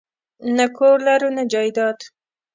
نه کور لرو نه جایداد